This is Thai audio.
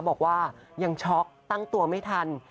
บอกว่ายังช็อกตั้งตัวไม่ทัน